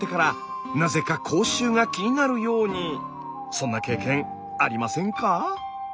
そんな経験ありませんか？